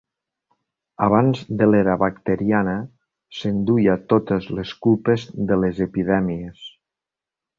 Abans de l'era bacteriana, s'enduia totes les culpes de les epidèmies.